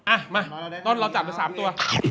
อ่ะมาต้นเราจับไป๓ตัว